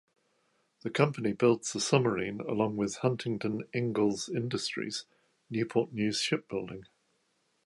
The Company builds the submarine along with Huntington Ingalls Industries Newport News Shipbuilding.